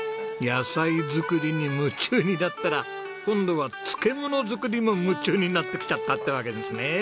野菜作りに夢中になったら今度は漬物作りも夢中になってきちゃったってわけですね。